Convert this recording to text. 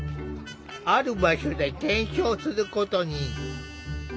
ある場所で検証することに。